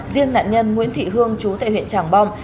riêng nạn nhân nguyễn thị hương chú tại huyện tràng bom